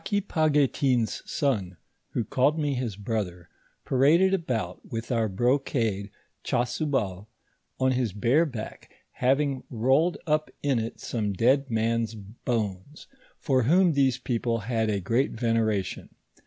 Aquipaguetin's son, who called me his brother, paraded about with our brocade chasuble on his bare back, having rolled up in it some dead man's bones, for whom these people had a great veneration.